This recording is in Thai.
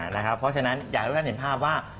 เพราะฉะนั้นอยากให้ทุกท่านเห็นภาพว่า